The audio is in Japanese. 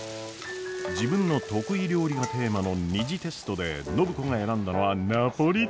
自分の得意料理がテーマの２次テストで暢子が選んだのはナポリタン！